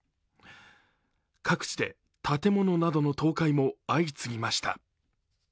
各地で建物などの倒壊も相次ぎました。